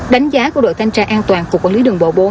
đánh giá của đội thanh tra an toàn cục quản lý đường bộ bốn